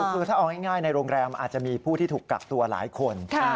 คือถ้าเอาง่ายในโรงแรมอาจจะมีผู้ที่ถูกกักตัวหลายคน